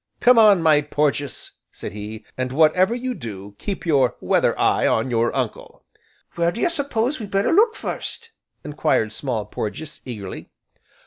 "Come on, my Porges," said he, "and, whatever you do keep your 'weather eye' on your uncle." "Where do you s'pose we'd better look first?" enquired Small Porges, eagerly.